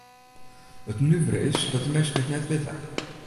It nuvere is dat de minsken it net witte.